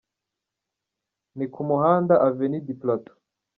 Ni ku muhanda Avenue Du Plateau.